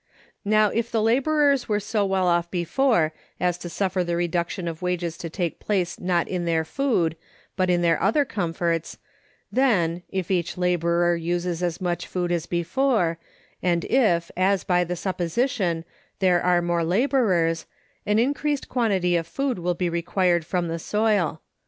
Now, if the laborers were so well off before as to suffer the reduction of wages to take place not in their food, but in their other comforts, then, if each laborer uses as much food as before, and if, as by the supposition, there are more laborers, an increased quantity of food will be required from the soil.